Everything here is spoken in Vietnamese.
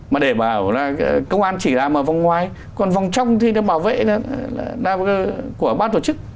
mà để bảo là công an chỉ làm vòng ngoài còn vòng trong thì bảo vệ là của ban tổ chức